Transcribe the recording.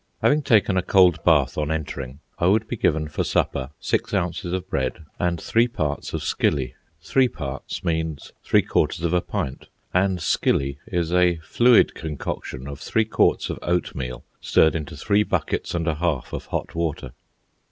Having taken a cold bath on entering, I would be given for supper six ounces of bread and "three parts of skilly." "Three parts" means three quarters of a pint, and "skilly" is a fluid concoction of three quarts of oatmeal stirred into three buckets and a half of hot water.